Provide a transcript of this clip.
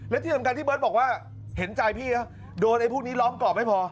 และที่สำคัญพี่เบิร์ตบอกว่าเห็นใจพี่เขาโดนไอ้พวกนี้ล้อมกรอบไม่พอ